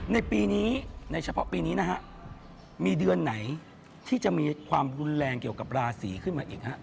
ในปีนี้ในเฉพาะปีนี้นะฮะมีเดือนไหนที่จะมีความรุนแรงเกี่ยวกับราศีขึ้นมาอีกฮะ